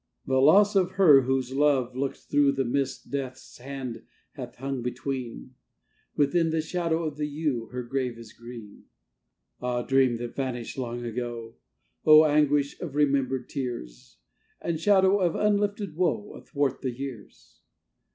The loss of her whose love looks through The mist death's hand hath hung between Within the shadow of the yew Her grave is green. Ah, dream that vanished long ago! Oh, anguish of remembered tears! And shadow of unlifted woe Athwart the years!